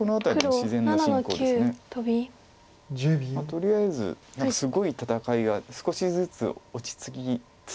とりあえずすごい戦いが少しずつ落ち着きつつあります。